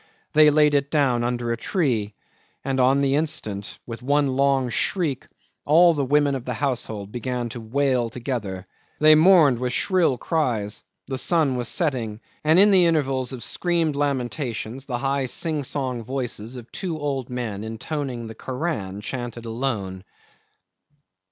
They laid it down under a tree, and on the instant, with one long shriek, all the women of the household began to wail together; they mourned with shrill cries; the sun was setting, and in the intervals of screamed lamentations the high sing song voices of two old men intoning the Koran chanted alone.